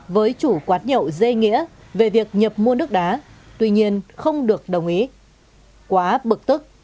với chủ quán nhậu dê nghĩa về việc nhập mua nước đá tuy nhiên không được đồng ý quá bực tức